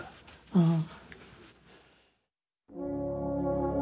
うん。